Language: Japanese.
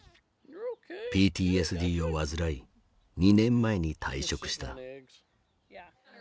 ＰＴＳＤを患い２年前に退職した。